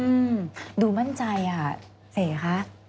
อืมดูมั่นใจค่ะเสคะ